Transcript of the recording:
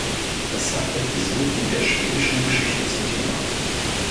Es hat Episoden der schwedischen Geschichte zum Thema.